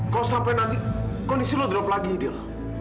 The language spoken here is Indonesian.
kalau sampai nanti kondisi lo drop lagi dil